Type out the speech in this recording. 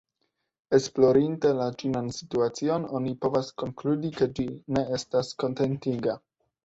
Esplorinte la ĉinan situacion, oni povas konkludi ke ĝi ne estas kontentiga.